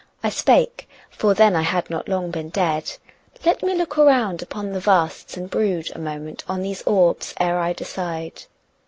I spake for then I had not long been dead "Let me look round upon the vasts, and brood A moment on these orbs ere I decide